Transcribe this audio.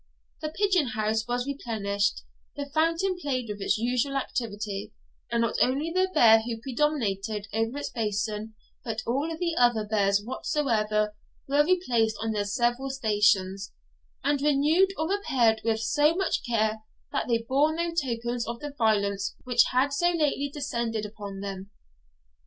The pigeon house was replenished; the fountain played with its usual activity, and not only the bear who predominated over its basin, but all the other bears whatsoever, were replaced on their several stations, and renewed or repaired with so much care that they bore no tokens of the violence which had so lately descended upon them.